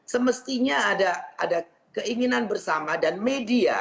semestinya ada keinginan bersama dan media